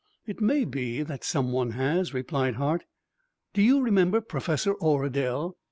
"It may be that someone has," replied Hart. "Do you remember Professor Oradel?